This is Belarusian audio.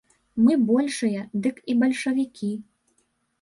Мы большыя, дык і бальшавікі.